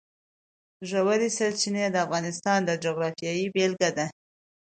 ژورې سرچینې د افغانستان د جغرافیې بېلګه ده.